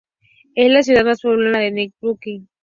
Es la ciudad más poblada del Ñeembucú.